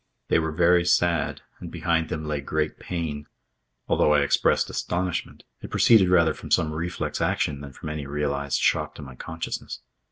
They were very sad and behind them lay great pain. Although I expressed astonishment, it proceeded rather from some reflex action than from any realised shock to my consciousness.